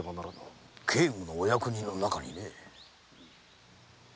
警護のお役人の中にねえ。